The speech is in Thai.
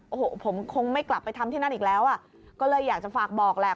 โอ้โหผมคงไม่กลับไปทำที่นั่นอีกแล้วอ่ะก็เลยอยากจะฝากบอกแหละ